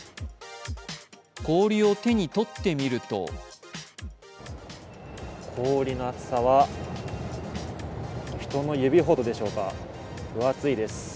氷を手に取ってみると氷の厚さは、人の指ほどでしょうか。